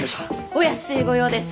お安い御用です